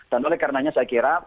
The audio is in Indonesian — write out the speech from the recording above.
dan oleh karenanya saya kira